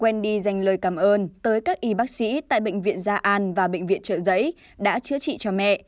quen đi dành lời cảm ơn tới các y bác sĩ tại bệnh viện gia an và bệnh viện trợ giấy đã chữa trị cho mẹ